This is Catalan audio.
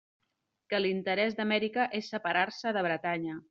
Que l'interès d'Amèrica és separar-se de Bretanya.